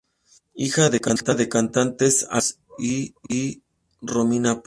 Hija de los cantantes Al Bano y Romina Power.